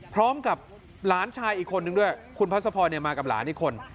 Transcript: พร้อมกับหลานชายอีกคนนึงด้วยคุณพัศพรมากับหลานอีกคน